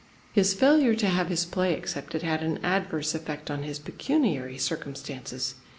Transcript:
His failure to have his play accepted had an adverse effect on his pecuniary circumstances.